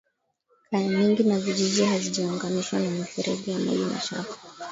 Kaya nyingi na vijiji hazijaunganishwa na mifereji ya maji machafu